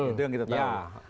itu yang kita tahu